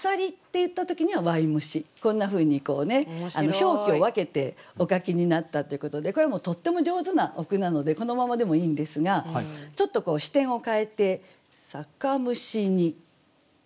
表記を分けてお書きになったということでこれはもうとっても上手なお句なのでこのままでもいいんですがちょっとこう視点を変えて「酒蒸しに」。